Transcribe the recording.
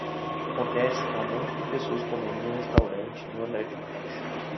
Acontece que há um monte de pessoas comendo no restaurante no andar de baixo.